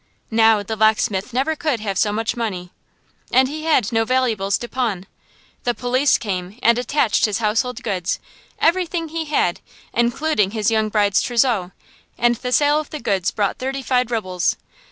Now, the locksmith never could have so much money, and he had no valuables to pawn. The police came and attached his household goods, everything he had, including his young bride's trousseau; and the sale of the goods brought thirty five rubles.